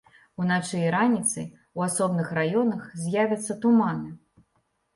Уначы і раніцай у асобных раёнах з'явяцца туманы.